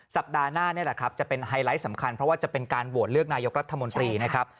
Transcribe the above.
สัปดาห์หน้านี่แหละครับจะเป็นไฮไลท์สำคัญเพราะว่าจะเป็นการโหวตเลือกนายกรัฐมนตรีนะครับ